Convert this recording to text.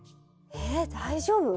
えっ大丈夫？